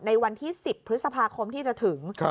ในวันที่๑๐พฤษภาคมที่จะถึง